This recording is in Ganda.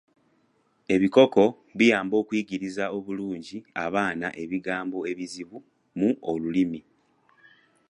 Ebikokko biyamba okuyigiriza obulungi abaana ebigambo ebizibu mu olulimi.